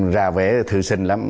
ra vé thư sinh lắm